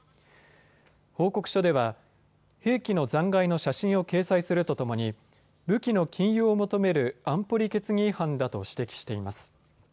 報告書では兵器の残骸の写真を掲載するとともに武器の禁輸を求める安保理決議違反だと指摘しています。